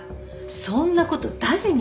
そんな事誰に？